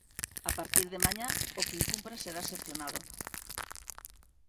A partir de mañá, o que incumpra será sancionado.